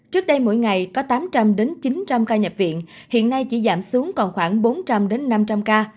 trước đây mỗi ngày có tám trăm linh chín trăm linh ca nhập viện hiện nay chỉ giảm xuống còn khoảng bốn trăm linh năm trăm linh ca